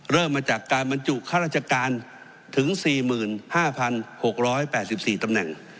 เริ่มมาจากการบรรจุข้าราชการถึง๔๕๖๘๔ตำแหน่ง